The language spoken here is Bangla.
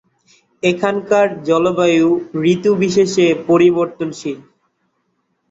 এখানকার জলবায়ু ঋতু বিশেষে পরিবর্তনশীল।